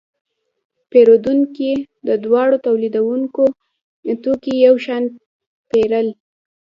پیرودونکو د دواړو تولیدونکو توکي یو شان پیرل.